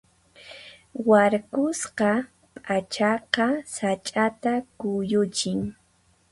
Warkusqa p'achaqa sach'ata kuyuchin.